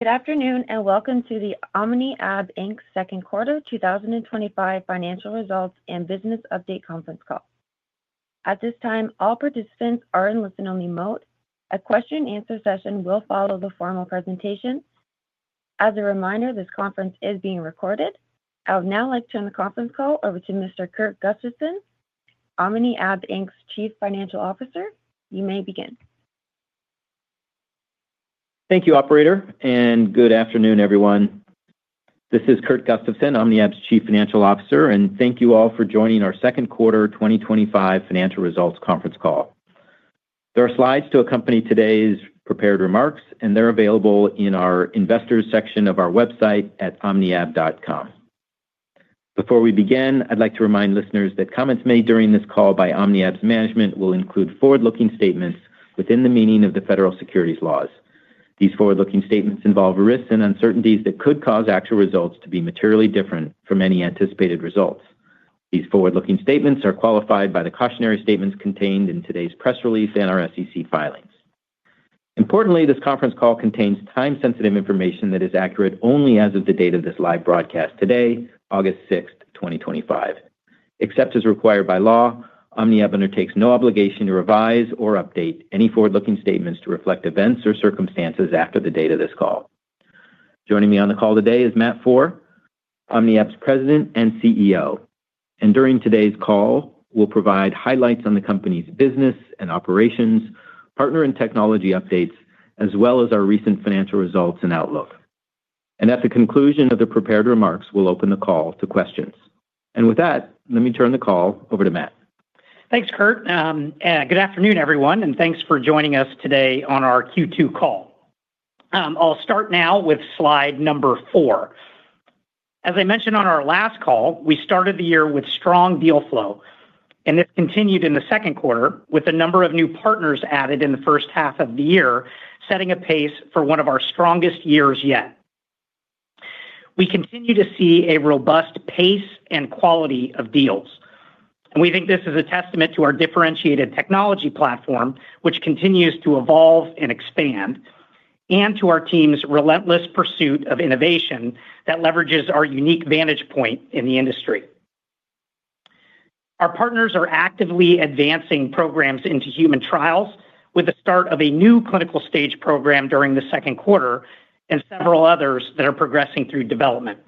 Good afternoon and welcome to the OmniAb Inc. Second Quarter 2025 Financial Results and Business Update Conference Call. At this time, all participants are in listen-only mode. A question and answer session will follow the formal presentation. As a reminder, this conference is being recorded. I would now like to turn the conference call over to Mr. Kurt Gustafson, OmniAb Inc.'s Chief Financial Officer. You may begin. Thank you, Operator, and good afternoon, everyone. This is Kurt Gustafson, OmniAb's Chief Financial Officer, and thank you all for joining our Second Quarter 2025 Financial Results Conference Call. There are slides to accompany today's prepared remarks, and they're available in our Investors section of our website at omniab.com. Before we begin, I'd like to remind listeners that comments made during this call by OmniAb's management will include forward-looking statements within the meaning of the Federal Securities Laws. These forward-looking statements involve risks and uncertainties that could cause actual results to be materially different from any anticipated results. These forward-looking statements are qualified by the cautionary statements contained in today's press release and our SEC filings. Importantly, this conference call contains time-sensitive information that is accurate only as of the date of this live broadcast today, August 6th, 2025. Except as required by law, OmniAb undertakes no obligation to revise or update any forward-looking statements to reflect events or circumstances after the date of this call. Joining me on the call today is Matt Foehr, OmniAb's President and CEO, and during today's call, we'll provide highlights on the company's business and operations, partner and technology updates, as well as our recent financial results and outlook. At the conclusion of the prepared remarks, we'll open the call to questions. With that, let me turn the call over to Matt. Thanks, Kurt. Good afternoon, everyone, and thanks for joining us today on our Q2 call. I'll start now with slide number four. As I mentioned on our last call, we started the year with strong deal flow, and it continued in the second quarter with the number of new partners added in the first half of the year setting a pace for one of our strongest years yet. We continue to see a robust pace and quality of deals, and we think this is a testament to our differentiated technology platform, which continues to evolve and expand, and to our team's relentless pursuit of innovation that leverages our unique vantage point in the industry. Our partners are actively advancing programs into human trials with the start of a new clinical stage program during the second quarter and several others that are progressing through development.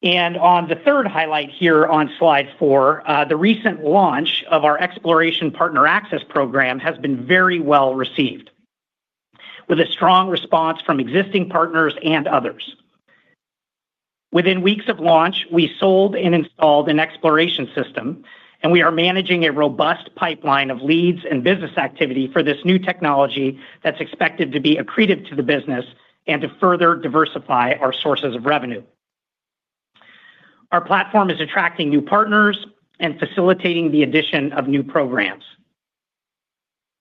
The recent launch of our Exploration Partner Access Program has been very well received, with a strong response from existing partners and others. Within weeks of launch, we sold and installed an Exploration system, and we are managing a robust pipeline of leads and business activity for this new technology that's expected to be accretive to the business and to further diversify our sources of revenue. Our platform is attracting new partners and facilitating the addition of new programs.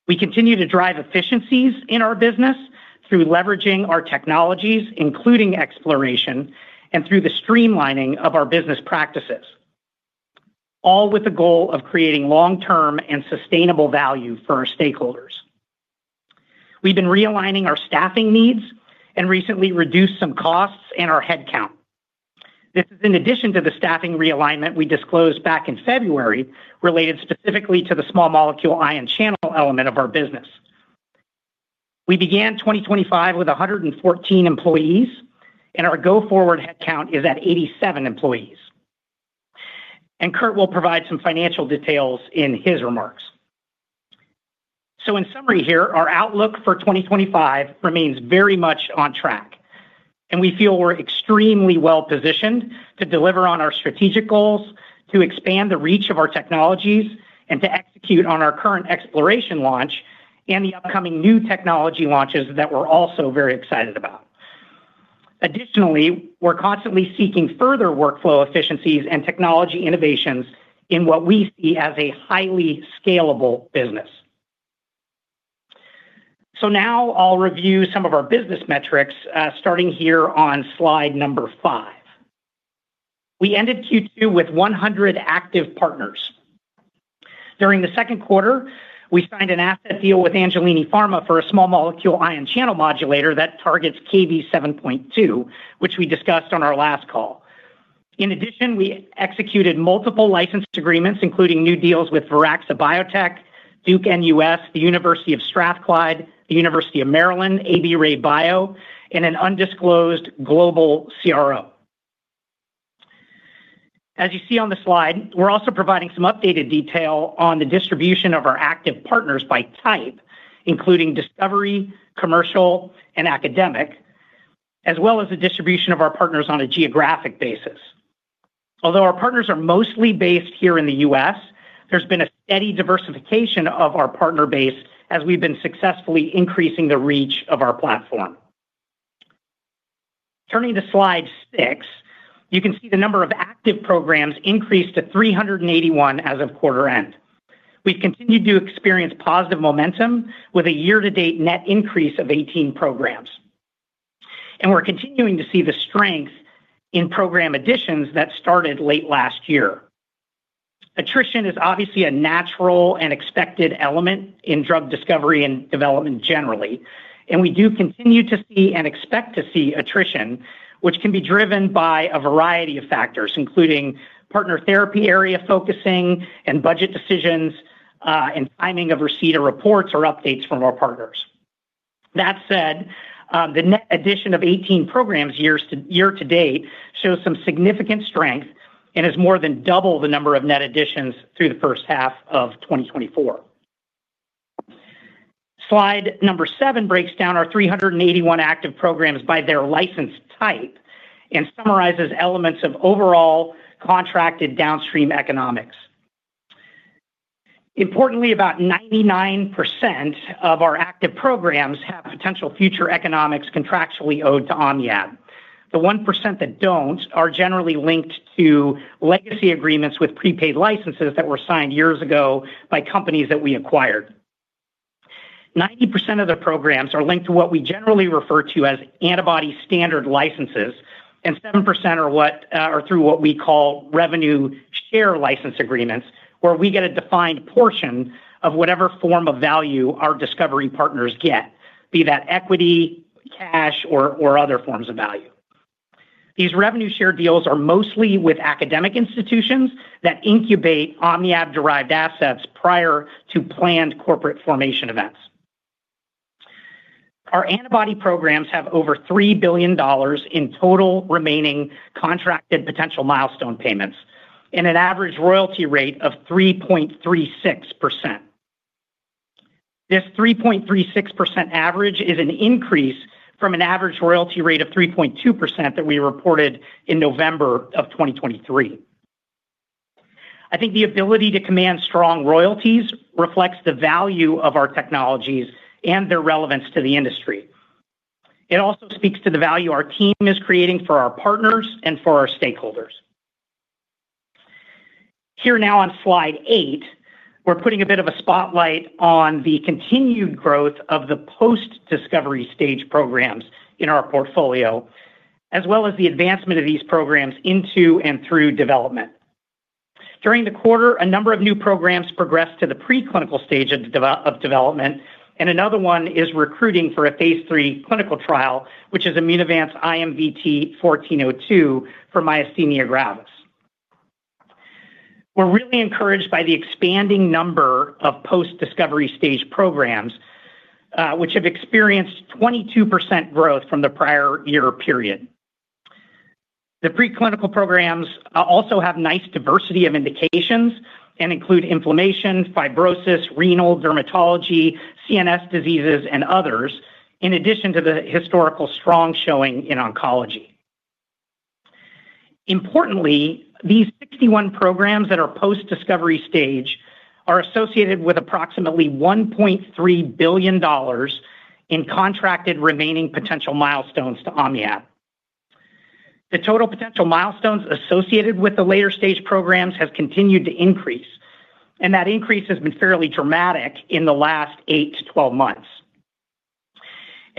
We continue to drive efficiencies in our business through leveraging our technologies, including Exploration, and through the streamlining of our business practices, all with the goal of creating long-term and sustainable value for our stakeholders. We've been realigning our staffing needs and recently reduced some costs in our headcount. This is in addition to the staffing realignment we disclosed back in February, related specifically to the small molecule ion channel element of our business. We began 2025 with 114 employees, and our go-forward headcount is at 87 employees. Kurt will provide some financial details in his remarks. In summary, our outlook for 2025 remains very much on track, and we feel we're extremely well positioned to deliver on our strategic goals, to expand the reach of our technologies, and to execute on our current Exploration launch and the upcoming new technology launches that we're also very excited about. Additionally, we're constantly seeking further workflow efficiencies and technology innovations in what we see as a highly scalable business. Now I'll review some of our business metrics, starting here on slide number five. We ended Q2 with 100 active partners. During the second quarter, we signed an asset deal with Angelini Pharma for a small molecule ion channel modulator that targets KV7.2, which we discussed on our last call. In addition, we executed multiple license agreements, including new deals with Veraxa Biotech, Duke-NUS, the University of Strathclyde, the University of Maryland, AB Ray Bio, and an undisclosed global CRO. As you see on the slide, we're also providing some updated detail on the distribution of our active partners by type, including discovery, commercial, and academic, as well as the distribution of our partners on a geographic basis. Although our partners are mostly based here in the U.S., there's been a steady diversification of our partner base as we've been successfully increasing the reach of our platform. Turning to slide six, you can see the number of active programs increased to 381 as of quarter end. We've continued to experience positive momentum with a year-to-date net increase of 18 programs, and we're continuing to see the strength in program additions that started late last year. Attrition is obviously a natural and expected element in drug discovery and development generally, and we do continue to see and expect to see attrition, which can be driven by a variety of factors, including partner therapy area focusing and budget decisions and timing of receipt of reports or updates from our partners. That said, the net addition of 18 programs year to date shows some significant strength and has more than doubled the number of net additions through the first half of 2024. Slide number seven breaks down our 381 active programs by their license type and summarizes elements of overall contracted downstream economics. Importantly, about 99% of our active programs have potential future economics contractually owed to OmniAb. The 1% that don't are generally linked to legacy agreements with prepaid licenses that were signed years ago by companies that we acquired. 90% of the programs are linked to what we generally refer to as antibody standard licenses, and 7% are through what we call revenue share license agreements, where we get a defined portion of whatever form of value our discovery partners get, be that equity, cash, or other forms of value. These revenue share deals are mostly with academic institutions that incubate OmniAb-derived assets prior to planned corporate formation events. Our antibody programs have over $3 billion in total remaining contracted potential milestone payments and an average royalty rate of 3.36%. This 3.36% average is an increase from an average royalty rate of 3.2% that we reported in November of 2023. I think the ability to command strong royalties reflects the value of our technologies and their relevance to the industry. It also speaks to the value our team is creating for our partners and for our stakeholders. Here now on slide eight, we're putting a bit of a spotlight on the continued growth of the post-discovery stage programs in our portfolio, as well as the advancement of these programs into and through development. During the quarter, a number of new programs progressed to the preclinical stage of development, and another one is recruiting for a phase 3 clinical trial, which is Immunovant’s IMVT-1402 for myasthenia gravis. We're really encouraged by the expanding number of post-discovery stage programs, which have experienced 22% growth from the prior year period. The preclinical programs also have a nice diversity of indications and include inflammation, fibrosis, renal, dermatology, CNS diseases, and others, in addition to the historical strong showing in oncology. Importantly, these 61 programs that are post-discovery stage are associated with approximately $1.3 billion in contracted remaining potential milestones to OmniAb. The total potential milestones associated with the later stage programs have continued to increase, and that increase has been fairly dramatic in the last 8-12 months.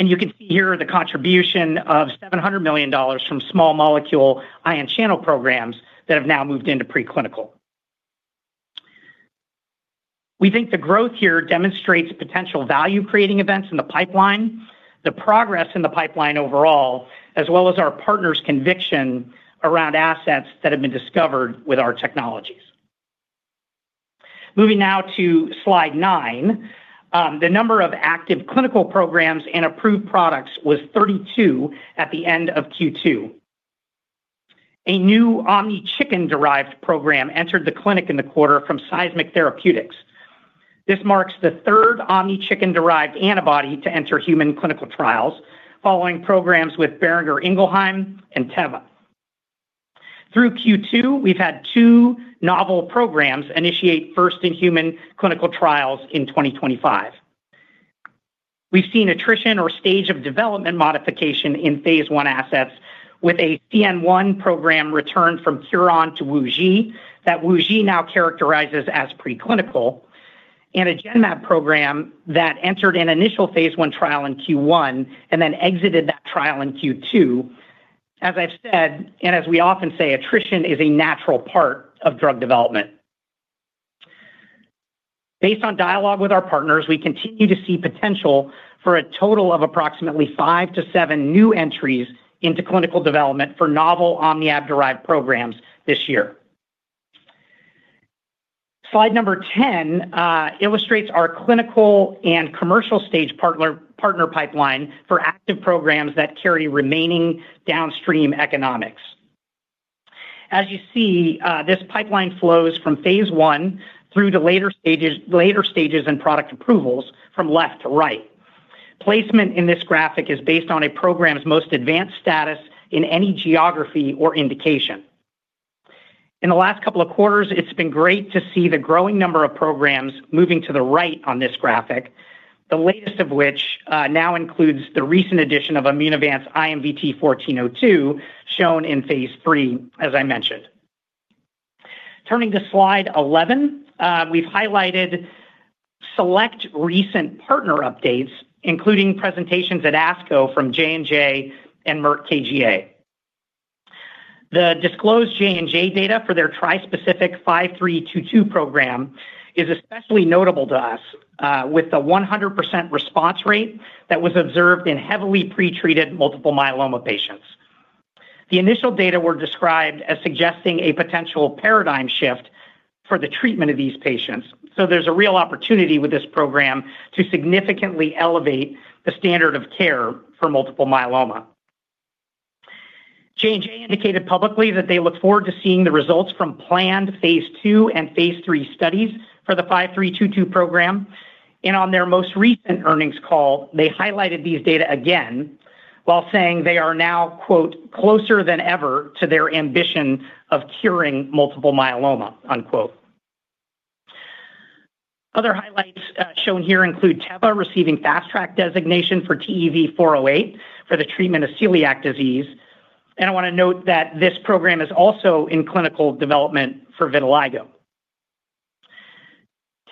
You can see here the contribution of $700 million from small molecule ion channel programs that have now moved into preclinical. We think the growth here demonstrates potential value-creating events in the pipeline, the progress in the pipeline overall, as well as our partners' conviction around assets that have been discovered with our technologies. Moving now to slide nine, the number of active clinical programs and approved products was 32 at the end of Q2. A new OmniChicken-derived program entered the clinic in the quarter from Seismic Therapeutics. This marks the third OmniChicken-derived antibody to enter human clinical trials following programs with Boehringer Ingelheim and Teva. Through Q2, we've had two novel programs initiate first-in-human clinical trials in 2025. We've seen attrition or stage of development modification in phase 1 assets with a Th1 program returned from Curon to Wu Xi that Wu Xi now characterizes as preclinical and a Genmab program that entered an initial phase 1 trial in Q1 and then exited that trial in Q2. As I've said, and as we often say, attrition is a natural part of drug development. Based on dialogue with our partners, we continue to see potential for a total of approximately five to seven new entries into clinical development for novel OmniAb-derived programs this year. Slide number 10 illustrates our clinical and commercial stage partner pipeline for active programs that carry remaining downstream economics. As you see, this pipeline flows from phase 1 through to later stages and product approvals from left to right. Placement in this graphic is based on a program's most advanced status in any geography or indication. In the last couple of quarters, it's been great to see the growing number of programs moving to the right on this graphic, the latest of which now includes the recent addition of Immunovant's IMVT-1402 shown in phase 3, as I mentioned. Turning to slide 11, we've highlighted select recent partner updates, including presentations at ASCO from J&J and Merck KGaA. The disclosed J&J data for their trispecific 5322 program is especially notable to us with the 100% response rate that was observed in heavily pretreated multiple myeloma patients. The initial data were described as suggesting a potential paradigm shift for the treatment of these patients. There is a real opportunity with this program to significantly elevate the standard of care for multiple myeloma. J&J indicated publicly that they look forward to seeing the results from planned phase 2 and phase 3 studies for the 5322 program. On their most recent earnings call, they highlighted these data again while saying they are now "closer than ever to their ambition of curing multiple myeloma." Other highlights shown here include Teva receiving fast track designation for TEV-408 for the treatment of celiac disease. I want to note that this program is also in clinical development for vitiligo.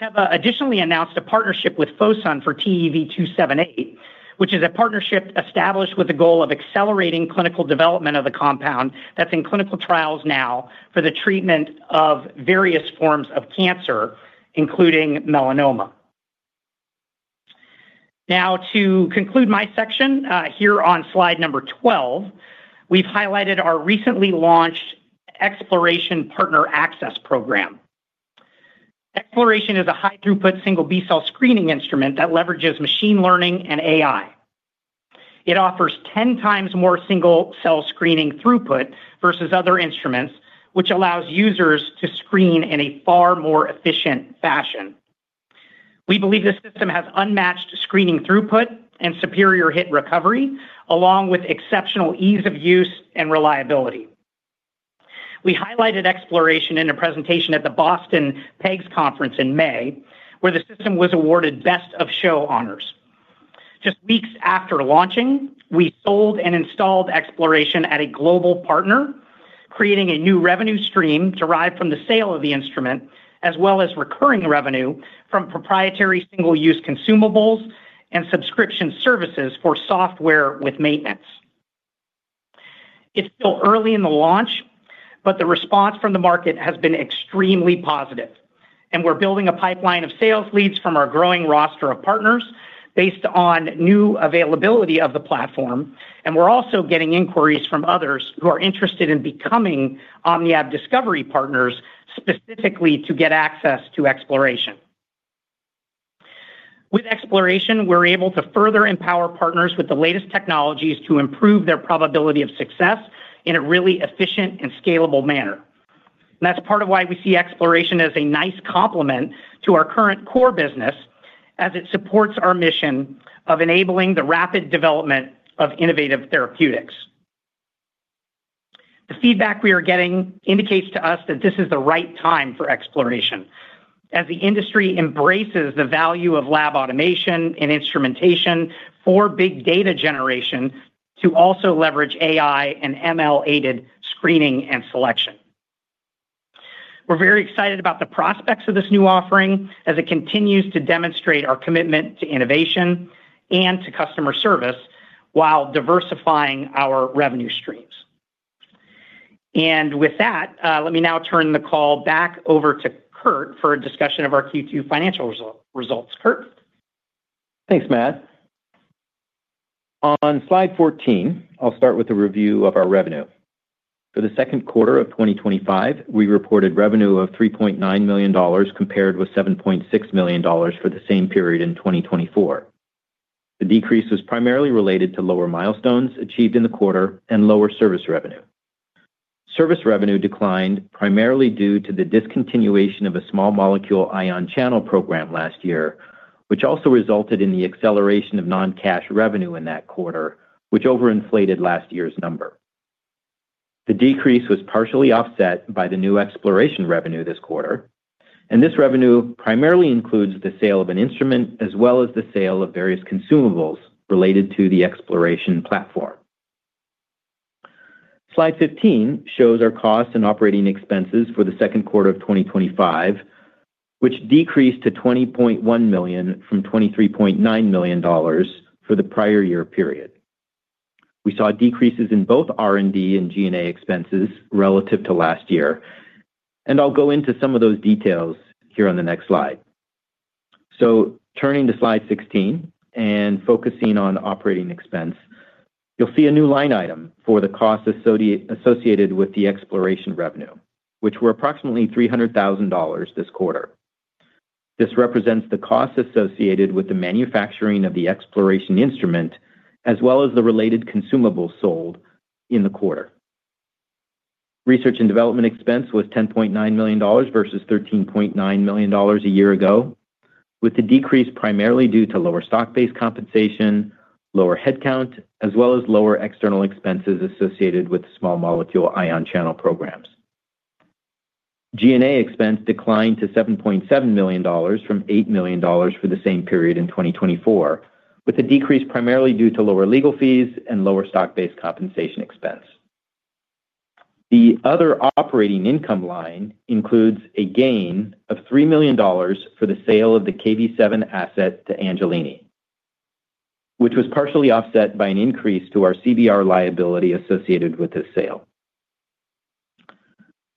Teva additionally announced a partnership with Fosun for TEV-278, which is a partnership established with the goal of accelerating clinical development of the compound that's in clinical trials now for the treatment of various forms of cancer, including melanoma. To conclude my section here on slide number 12, we've highlighted our recently launched Exploration Partner Access Program. Exploration is a high-throughput single B-cell screening instrument that leverages machine learning and AI. It offers 10 times more single-cell screening throughput versus other instruments, which allows users to screen in a far more efficient fashion. We believe this system has unmatched screening throughput and superior hit recovery, along with exceptional ease of use and reliability. We highlighted Exploration in a presentation at the Boston PEGS conference in May, where the system was awarded Best of Show honors. Just weeks after launching, we sold and installed Exploration at a global partner, creating a new revenue stream derived from the sale of the instrument, as well as recurring revenue from proprietary single-use consumables and subscription services for software with maintenance. It's still early in the launch, but the response from the market has been extremely positive, and we're building a pipeline of sales leads from our growing roster of partners based on new availability of the platform. We're also getting inquiries from others who are interested in becoming OmniAb discovery partners specifically to get access to Exploration. With Exploration, we're able to further empower partners with the latest technologies to improve their probability of success in a really efficient and scalable manner. That's part of why we see Exploration as a nice complement to our current core business, as it supports our mission of enabling the rapid development of innovative therapeutics. The feedback we are getting indicates to us that this is the right time for Exploration, as the industry embraces the value of lab automation and instrumentation for big data generation to also leverage AI and ML-aided screening and selection. We're very excited about the prospects of this new offering as it continues to demonstrate our commitment to innovation and to customer service while diversifying our revenue streams. With that, let me now turn the call back over to Kurt for a discussion of our Q2 financial results. Kurt. Thanks, Matt. On slide 14, I'll start with a review of our revenue. For the second quarter of 2025, we reported revenue of $3.9 million compared with $7.6 million for the same period in 2024. The decrease was primarily related to lower milestones achieved in the quarter and lower service revenue. Service revenue declined primarily due to the discontinuation of a small molecule ion channel program last year, which also resulted in the acceleration of non-cash revenue in that quarter, which overinflated last year's number. The decrease was partially offset by the new Exploration revenue this quarter, and this revenue primarily includes the sale of an instrument as well as the sale of various consumables related to the Exploration platform. Slide 15 shows our costs and operating expenses for the second quarter of 2025, which decreased to $20.1 million from $23.9 million for the prior year period. We saw decreases in both R&D and G&A expenses relative to last year, and I'll go into some of those details here on the next slide. Turning to slide 16 and focusing on operating expense, you'll see a new line item for the costs associated with the Exploration revenue, which were approximately $300,000 this quarter. This represents the costs associated with the manufacturing of the Exploration instrument as well as the related consumables sold in the quarter. Research and development expense was $10.9 million versus $13.9 million a year ago, with the decrease primarily due to lower stock-based compensation, lower headcount, as well as lower external expenses associated with small molecule ion channel programs. G&A expense declined to $7.7 million from $8 million for the same period in 2024, with a decrease primarily due to lower legal fees and lower stock-based compensation expense. The other operating income line includes a gain of $3 million for the sale of the KV7 asset to Angelini, which was partially offset by an increase to our CVR liability associated with this sale.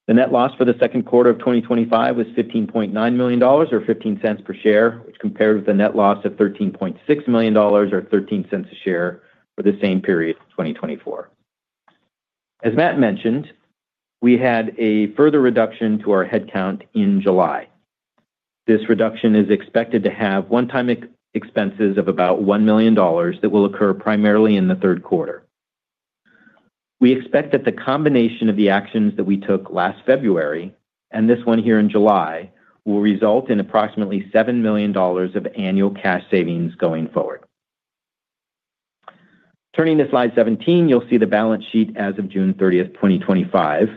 The net loss for the second quarter of 2025 was $15.9 million or $0.15 per share, which compared with a net loss of $13.6 million or $0.13 a share for the same period of 2024. As Matt mentioned, we had a further reduction to our headcount in July. This reduction is expected to have one-time expenses of about $1 million that will occur primarily in the third quarter. We expect that the combination of the actions that we took last February and this one here in July will result in approximately $7 million of annual cash savings going forward. Turning to slide 17, you'll see the balance sheet as of June 30th, 2025.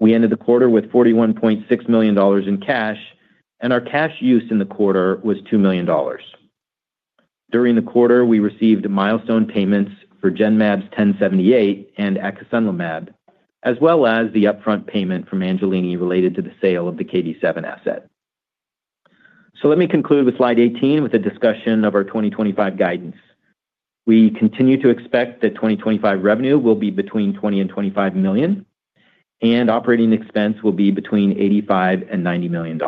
We ended the quarter with $41.6 million in cash, and our cash use in the quarter was $2 million. During the quarter, we received milestone payments for GenMab's 1078 and excitinib, as well as the upfront payment from Angelini Pharma related to the sale of the KV7 asset. Let me conclude with slide 18 with a discussion of our 2025 guidance. We continue to expect that 2025 revenue will be between $20 million and $25 million, and operating expense will be between $85 million and $90 million.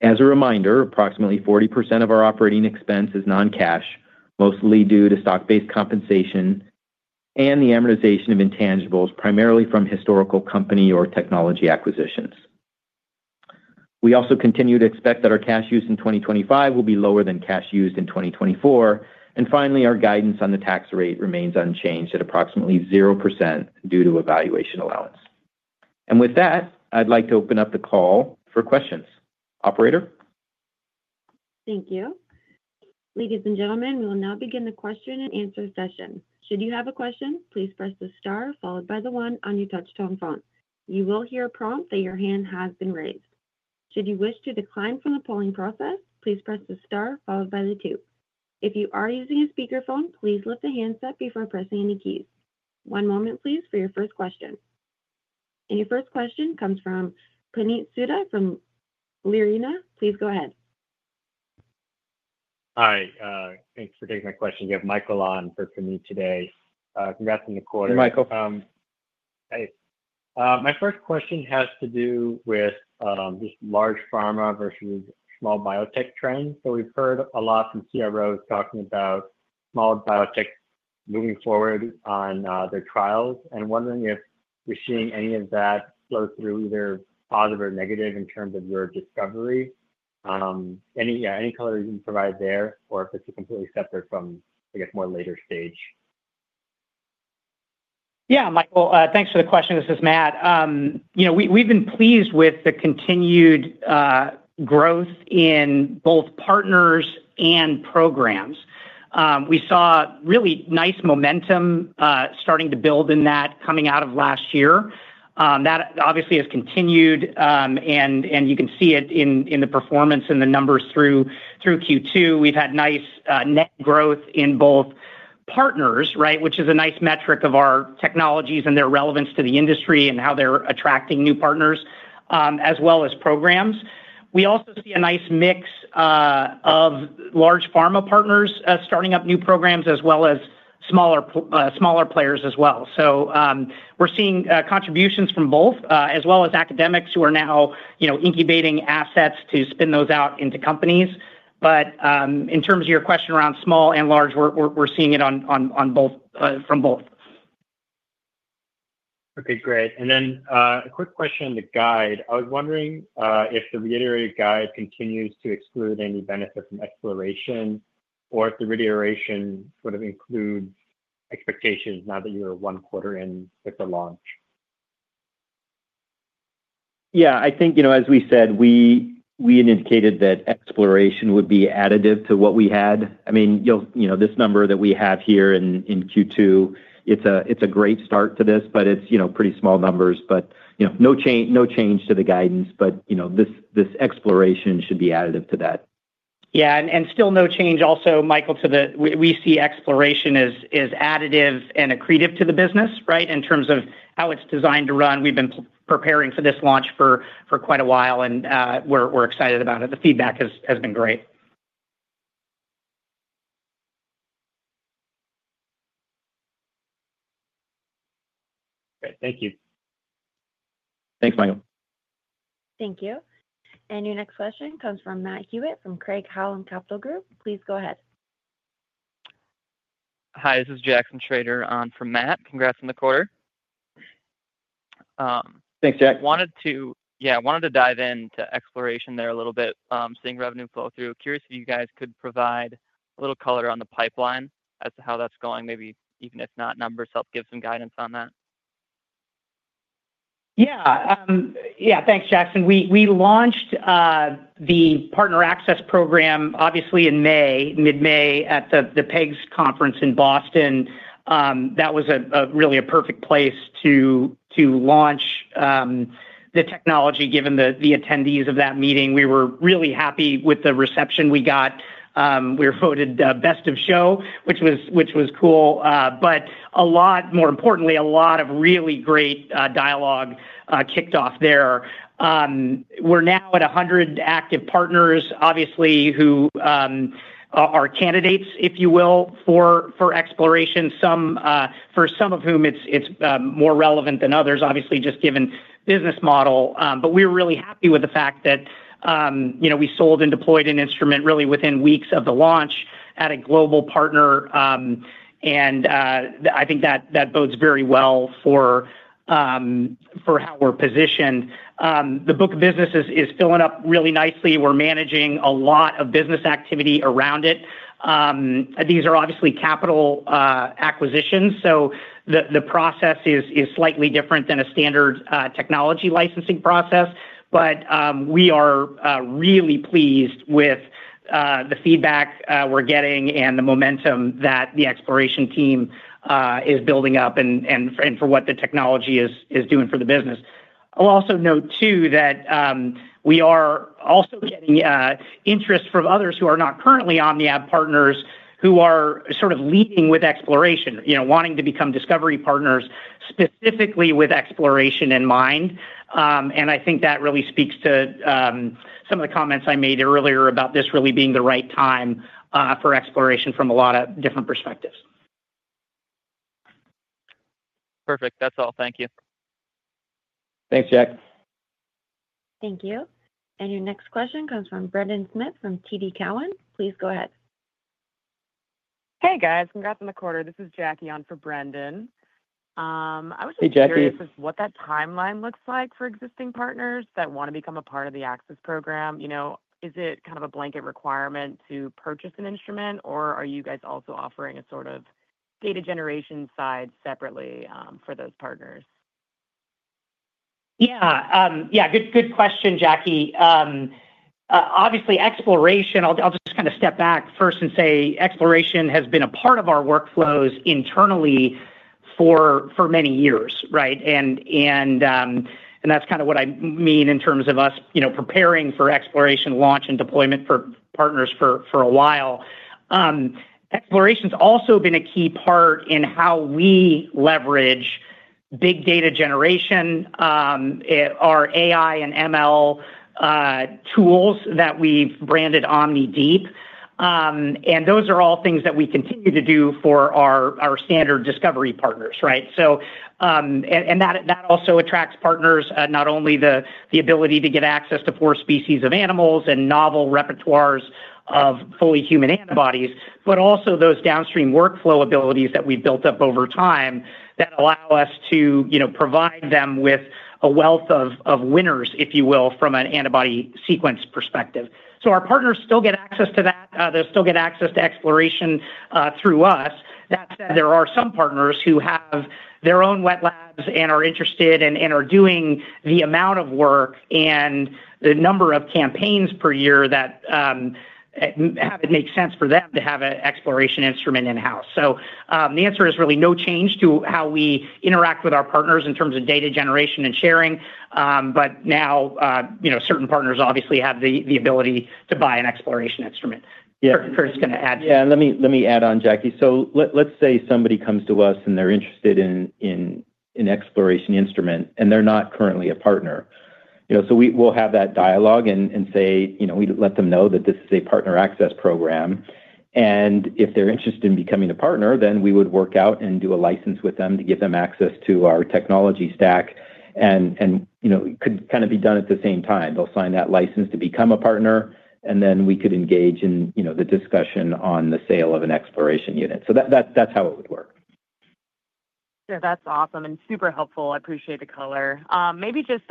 As a reminder, approximately 40% of our operating expense is non-cash, mostly due to stock-based compensation and the amortization of intangibles, primarily from historical company or technology acquisitions. We also continue to expect that our cash use in 2025 will be lower than cash used in 2024. Finally, our guidance on the tax rate remains unchanged at approximately 0% due to a valuation allowance. With that, I'd like to open up the call for questions. Operator. Thank you. Ladies and gentlemen, we will now begin the question and answer session. Should you have a question, please press the star followed by the one on your touch-tone phone. You will hear a prompt that your hand has been raised. Should you wish to decline from the polling process, please press the star followed by the two. If you are using a speaker phone, please lift the handset before pressing any keys. One moment, please, for your first question. Your first question comes from Puneet Souda from Leerink. Please go ahead. Hi. Thanks for taking my question. You have Michael on for Puneet today. Congrats on the quarter. Hey, Michael. My first question has to do with just large pharma versus small biotech trends. We've heard a lot from CROs talking about small biotechs moving forward on their trials and wondering if you're seeing any of that flow through either positive or negative in terms of your discovery. Any color you can provide there or if it's completely separate from, I guess, more later stage. Yeah, Michael, thanks for the question. This is Matt. We've been pleased with the continued growth in both partners and programs. We saw really nice momentum starting to build in that coming out of last year. That obviously has continued, and you can see it in the performance and the numbers through Q2. We've had nice net growth in both partners, which is a nice metric of our technologies and their relevance to the industry and how they're attracting new partners as well as programs. We also see a nice mix of large pharma partners starting up new programs as well as smaller players as well. We're seeing contributions from both, as well as academics who are now incubating assets to spin those out into companies. In terms of your question around small and large, we're seeing it from both. Okay, great. A quick question on the guide. I was wondering if the reiterated guide continues to exclude any benefit from Exploration or if the reiteration sort of includes expectations now that you're one quarter in with the launch. I think, as we said, we indicated that Exploration would be additive to what we had. I mean, you'll see this number that we have here in Q2. It's a great start to this, but it's pretty small numbers. No change to the guidance, but this Exploration should be additive to that. Yeah, still no change also, Michael, to the, we see Exploration is additive and accretive to the business, right, in terms of how it's designed to run. We've been preparing for this launch for quite a while, and we're excited about it. The feedback has been great. Thank you. Thanks, Michael. Thank you. Your next question comes from Matt Hewitt from Craig-Hallum Capital Group. Please go ahead. Hi, this is Jackson Schroeder on for Matt Foehr. Congrats on the quarter. Thanks, Jack. I wanted to dive into Exploration there a little bit, seeing revenue flow through. Curious if you guys could provide a little color on the pipeline as to how that's going, maybe even if not numbers help give some guidance on that. Yeah, thanks, Jackson. We launched the Partner Access Program in May, mid-May, at the PEGS conference in Boston. That was really a perfect place to launch the technology, given the attendees of that meeting. We were really happy with the reception we got. We were voted Best of Show, which was cool. A lot more importantly, a lot of really great dialogue kicked off there. We're now at 100 active partners, who are candidates, if you will, for Exploration, for some of whom it's more relevant than others, just given the business model. We were really happy with the fact that we sold and deployed an instrument really within weeks of the launch at a global partner. I think that bodes very well for how we're positioned. The book of business is filling up really nicely. We're managing a lot of business activity around it. These are capital acquisitions, so the process is slightly different than a standard technology licensing process. We are really pleased with the feedback we're getting and the momentum that the Exploration team is building up and for what the technology is doing for the business. I'll also note, too, that we are also getting interest from others who are not currently OmniAb partners who are sort of leading with Exploration, wanting to become discovery partners specifically with Exploration in mind. I think that really speaks to some of the comments I made earlier about this really being the right time for Exploration from a lot of different perspectives. Perfect. That's all. Thank you. Thanks, Jack. Thank you. Your next question comes from Brendan Smith from TD Cowen. Please go ahead. Hey, guys. Congrats on the quarter. This is Jackie on for Brendan. Hey, Jackie. I was just curious as to what that timeline looks like for existing partners that want to become a part of the Access Program. Is it kind of a blanket requirement to purchase an instrument, or are you guys also offering a sort of data generation side separately for those partners? Yeah, good question, Jackie. Obviously, Exploration, I'll just kind of step back first and say Exploration has been a part of our workflows internally for many years, right? That's kind of what I mean in terms of us preparing for Exploration launch and deployment for partners for a while. Exploration's also been a key part in how we leverage big data generation, our AI and ML tools that we've branded OmniDeep. Those are all things that we continue to do for our standard discovery partners, right? That also attracts partners, not only the ability to get access to four species of animals and novel repertoires of fully human antibodies, but also those downstream workflow abilities that we've built up over time that allow us to provide them with a wealth of winners, if you will, from an antibody sequence perspective. Our partners still get access to that. They'll still get access to Exploration through us. That said, there are some partners who have their own wet labs and are interested and are doing the amount of work and the number of campaigns per year that it makes sense for them to have an Exploration instrument in-house. The answer is really no change to how we interact with our partners in terms of data generation and sharing. Now, certain partners obviously have the ability to buy an Exploration instrument. Yeah. is going to add. Yeah, let me add on, Jackie. Let's say somebody comes to us and they're interested in an Exploration instrument and they're not currently a partner. We'll have that dialogue and say, you know, we let them know that this is a Partner Access Program. If they're interested in becoming a partner, then we would work out and do a license with them to give them access to our technology stack. It could kind of be done at the same time. They'll sign that license to become a partner, and then we could engage in the discussion on the sale of an Exploration unit. That's how it would work. Yeah, that's awesome and super helpful. I appreciate the color. Maybe just,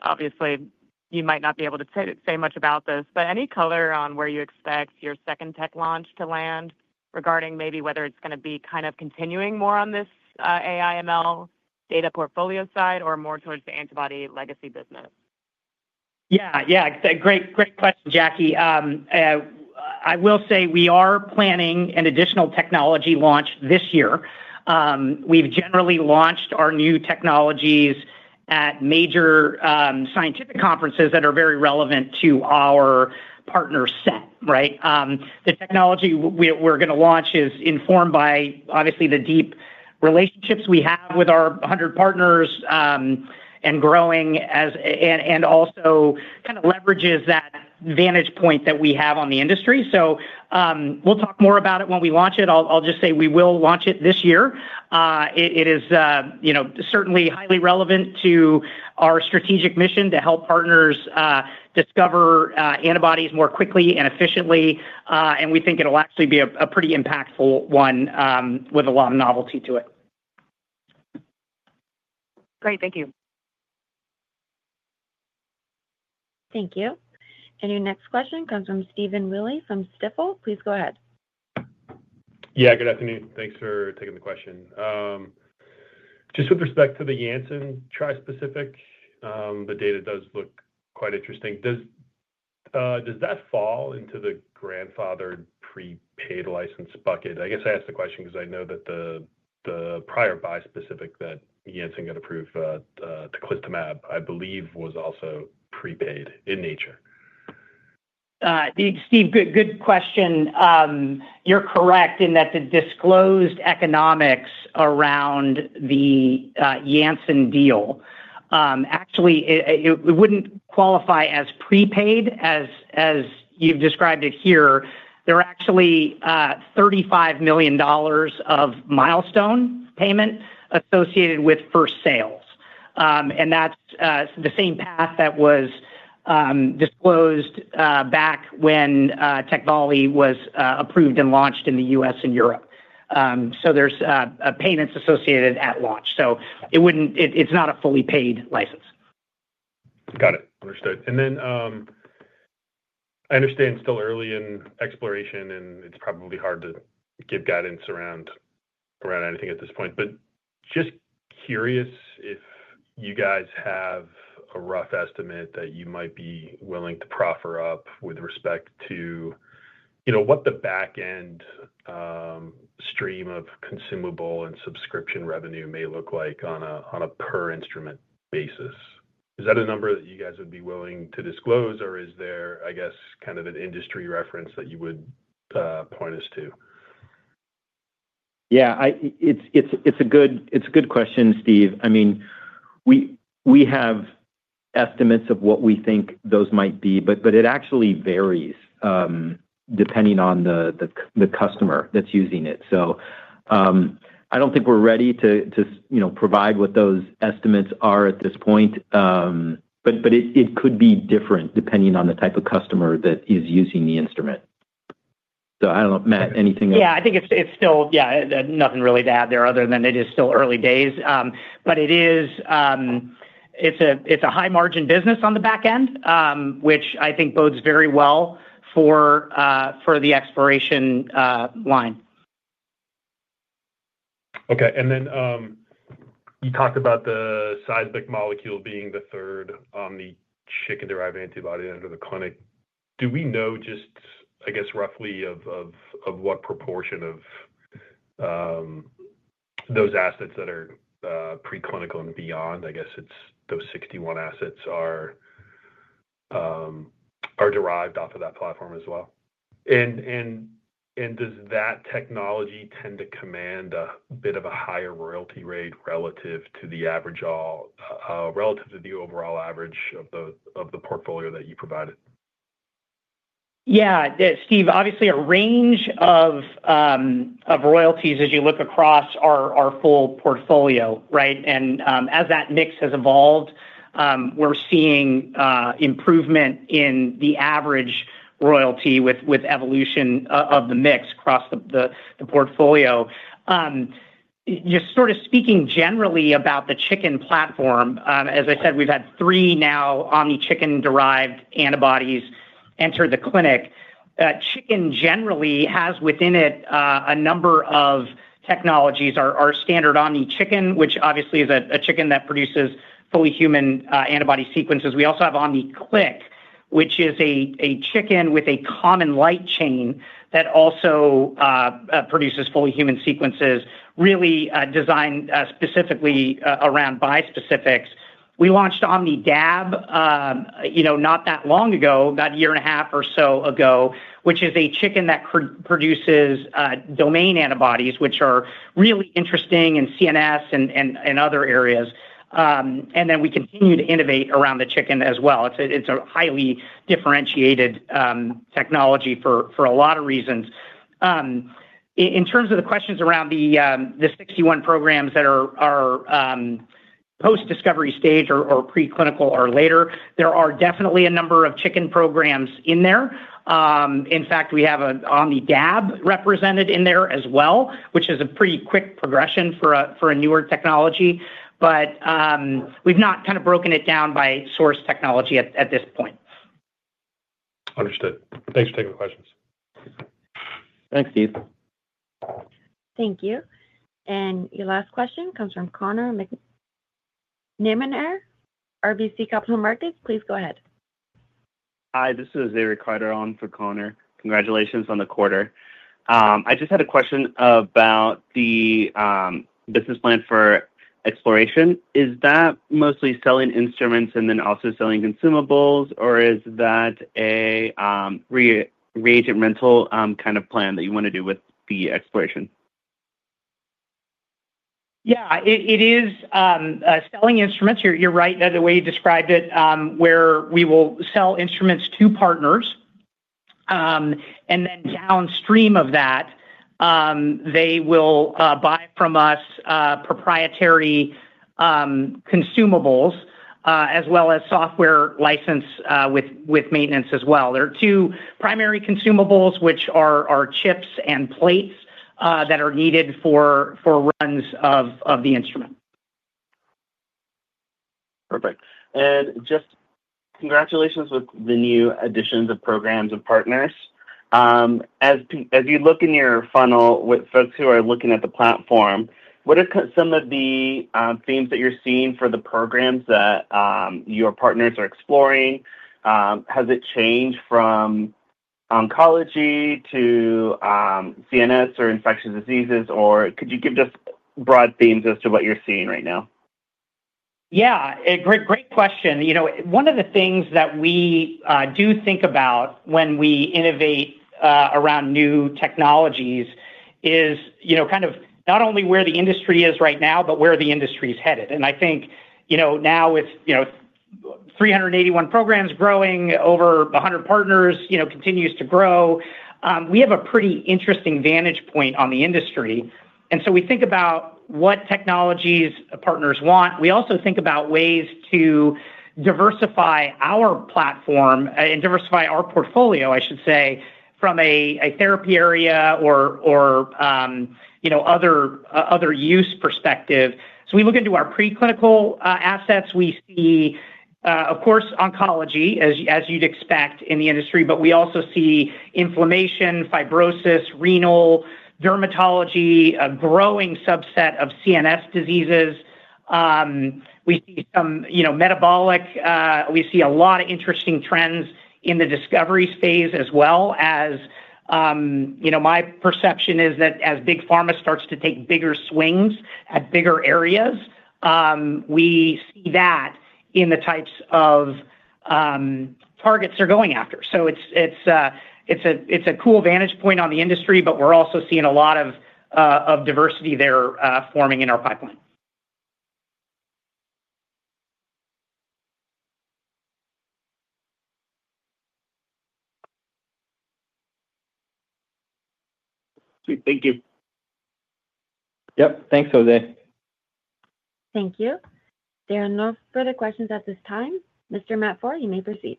obviously, you might not be able to say much about this, but any color on where you expect your second tech launch to land regarding maybe whether it's going to be kind of continuing more on this AI/ML data portfolio side or more towards the antibody legacy business? Yeah, great question, Jackie. I will say we are planning an additional technology launch this year. We've generally launched our new technologies at major scientific conferences that are very relevant to our partner set, right? The technology we're going to launch is informed by, obviously, the deep relationships we have with our 100 partners and growing and also kind of leverages that vantage point that we have on the industry. We will talk more about it when we launch it. I'll just say we will launch it this year. It is certainly highly relevant to our strategic mission to help partners discover antibodies more quickly and efficiently. We think it'll actually be a pretty impactful one with a lot of novelty to it. Great, thank you. Thank you. Your next question comes from Stephen Willey from Stifel. Please go ahead. Yeah, good afternoon. Thanks for taking the question. Just with respect to the Janssen Tri specific, the data does look quite interesting. Does that fall into the grandfathered prepaid license bucket? I guess I ask the question because I know that the prior bispecific that Janssen got approved, [teclistamab], I believe, was also prepaid in nature. Steve, good question. You're correct in that the disclosed economics around the Janssen deal actually wouldn't qualify as prepaid as you've described it here. There are actually $35 million of milestone payment associated with first sales. That's the same path that was disclosed back when TechVali was approved and launched in the U.S. and Europe. There are payments associated at launch, so it's not a fully paid license. Got it. Understood. I understand still early in Exploration, and it's probably hard to give guidance around anything at this point. Just curious if you guys have a rough estimate that you might be willing to proffer up with respect to, you know, what the backend stream of consumable and subscription revenue may look like on a per-instrument basis. Is that a number that you guys would be willing to disclose, or is there, I guess, kind of an industry reference that you would point us to? Yeah, it's a good question, Steve. I mean, we have estimates of what we think those might be, but it actually varies depending on the customer that's using it. I don't think we're ready to provide what those estimates are at this point, but it could be different depending on the type of customer that is using the instrument. I don't know, Matt, anything? I think it's still, yeah, nothing really to add there other than it is still early days. It's a high-margin business on the backend, which I think bodes very well for the Exploration line. Okay. You talked about the seismic molecule being the third OmniChicken-derived antibody under the clinic. Do we know just, I guess, roughly what proportion of those assets that are preclinical and beyond, I guess it's those 61 assets, are derived off of that platform as well? Does that technology tend to command a bit of a higher royalty rate relative to the overall average of the portfolio that you provided? Yeah, Steve, obviously, a range of royalties as you look across our full portfolio, right? As that mix has evolved, we're seeing improvement in the average royalty with evolution of the mix across the portfolio. Just sort of speaking generally about the chicken platform, as I said, we've had three now OmniChicken-derived antibodies enter the clinic. Chicken generally has within it a number of technologies. Our standard OmniChicken, which obviously is a chicken that produces fully human antibody sequences. We also have OmniClick, which is a chicken with a common light chain that also produces fully human sequences, really designed specifically around bispecifics. We launched OmniDAB not that long ago, about a year and a half or so ago, which is a chicken that produces domain antibodies, which are really interesting in CNS and other areas. We continue to innovate around the chicken as well. It's a highly differentiated technology for a lot of reasons. In terms of the questions around the 61 programs that are post-discovery stage or preclinical or later, there are definitely a number of chicken programs in there. In fact, we have an OmniDAB represented in there as well, which is a pretty quick progression for a newer technology. We've not kind of broken it down by source technology at this point. Understood. Thanks for taking the questions. Thanks, Steve. Thank you. Your last question comes from Connor McNamara, RBC Capital Markets. Please go ahead. Hi, this is Eric Carter on for Connor. Congratulations on the quarter. I just had a question about the business plan for Exploration. Is that mostly selling instruments and then also selling consumables, or is that a reagent rental kind of plan that you want to do with the Exploration? Yeah, it is selling instruments. You're right in the way you described it, where we will sell instruments to partners. Then downstream of that, they will buy from us proprietary consumables as well as software license with maintenance as well. There are two primary consumables, which are chips and plates that are needed for runs of the instrument. Perfect. Congratulations with the new additions of programs and partners. As you look in your funnel with folks who are looking at the platform, what are some of the themes that you're seeing for the programs that your partners are exploring? Has it changed from oncology to CNS or infectious diseases, or could you give just broad themes as to what you're seeing right now? Yeah, great question. One of the things that we do think about when we innovate around new technologies is not only where the industry is right now, but where the industry is headed. I think now with 381 programs growing, over 100 partners, it continues to grow. We have a pretty interesting vantage point on the industry. We think about what technologies partners want. We also think about ways to diversify our platform and diversify our portfolio, I should say, from a therapy area or other use perspective. We look into our preclinical assets. We see, of course, oncology, as you'd expect in the industry, but we also see inflammation, fibrosis, renal, dermatology, a growing subset of CNS diseases. We see some metabolic. We see a lot of interesting trends in the discovery space as well as my perception is that as big pharma starts to take bigger swings at bigger areas, we see that in the types of targets they're going after. It's a cool vantage point on the industry, but we're also seeing a lot of diversity there forming in our pipeline. Sweet. Thank you. Yep. Thanks, [Jose]. Thank you. There are no further questions at this time. Mr. Matt Foehr, you may proceed.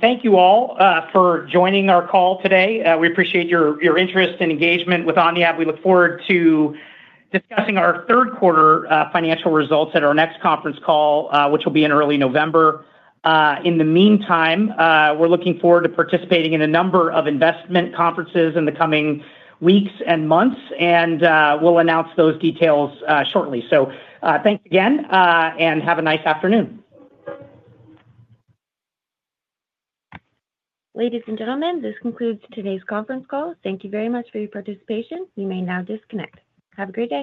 Thank you all for joining our call today. We appreciate your interest and engagement with OmniAb. We look forward to discussing our third quarter financial results at our next conference call, which will be in early November. In the meantime, we're looking forward to participating in a number of investment conferences in the coming weeks and months, and we'll announce those details shortly. Thank you again and have a nice afternoon. Ladies and gentlemen, this concludes today's conference call. Thank you very much for your participation. You may now disconnect. Have a great day.